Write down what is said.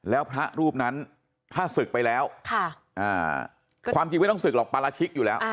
แล้วพระรูปนั้นถ้าศึกไปแล้วความจริงไม่ต้องศึกหรอกปราชิกอยู่แล้ว